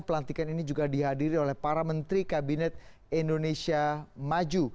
pelantikan ini juga dihadiri oleh para menteri kabinet indonesia maju